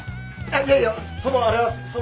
いやいやそのあれはその。